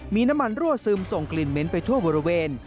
มีน้ำมันรั่วซึมส่งกลิ่นเหม็นไปทั่วบริเวณ